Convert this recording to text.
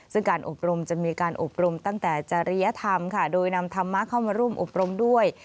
ซึ่งการอบรมจะมีการอบรมตั้งแต่จริยธรรมค่ะโดยนำธรรมะเข้ามาร่วมอบรมด้วย